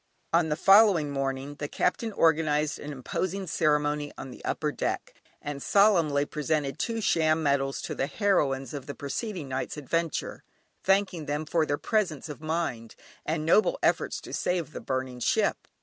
On the following morning the Captain organised an imposing ceremony on the upper deck, and solemnly presented two sham medals to the heroines of the preceding night's adventure, thanking them for their presence of mind, and noble efforts to save the burning ship!